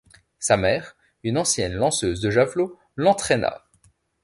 Sa mère, une ancienne lanceuse de javelot, l'entraîna.